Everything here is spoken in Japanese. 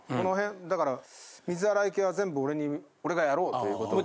だから水洗い系は全部俺がやろうということで。